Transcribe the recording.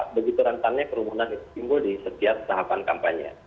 begitu rantanya kerumunan timbul di setiap tahapan kampanye